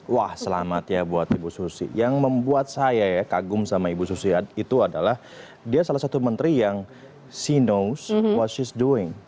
wah selamat ya buat ibu susi yang membuat saya ya kagum sama ibu susi itu adalah dia salah satu menteri yang sea nose what is doing